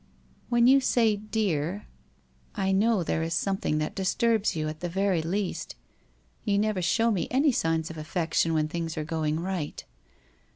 'When you say, dear, I know there is something that disturbs you, at the very least. You never show me any signs of affection when things are going right.